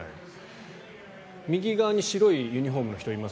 右側に白いユニホームの人がいます。